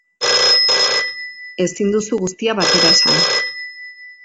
Ezin duzu guztia batera esan.